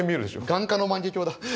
眼科の万華鏡だ。